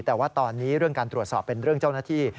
แต่ว่าตอนนี้เรื่องการตรวจสอบเป็นเรื่องเจ้าหน้าที่